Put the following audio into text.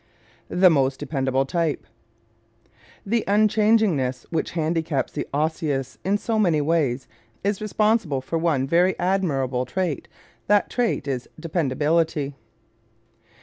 The Most Dependable Type ¶ The unchangingness which handicaps the Osseous in so many ways is responsible for one very admirable trait. That trait is dependability.